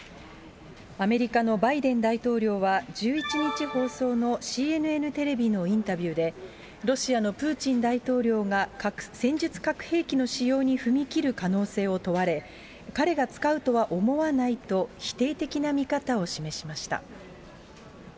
アメリカのバイデン大統領は１１日放送のＣＮＮテレビのインタビューで、ロシアのプーチン大統領が戦術核兵器の使用に踏み切る可能性を問われ、彼が使うとは思わないと否定的な見方を示しました。